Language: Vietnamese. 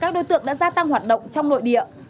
các đối tượng đã gia tăng hoạt động trong nội địa